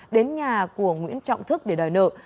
đến nhà của nguyễn trọng thức để đòi nợ